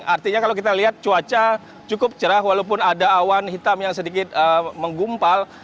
artinya kalau kita lihat cuaca cukup cerah walaupun ada awan hitam yang sedikit menggumpal